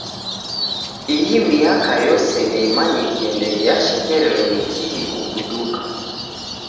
Ihi miaka yose ndeimanyikie ndege yashekerelo ni kii kubuduka.